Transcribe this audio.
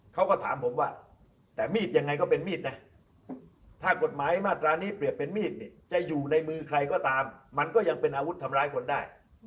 เขาก็ถามผมว่าแต่มีดยังไงก็เป็นมีดนะถ้ากฎหมายมาตรานี้เปรียบเป็นมีดเนี่ยจะอยู่ในมือใครก็ตามมันก็ยังเป็นอาวุธทำร้ายคนได้